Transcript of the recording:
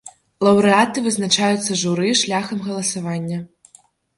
Лаўрэаты вызначаюцца журы шляхам галасавання.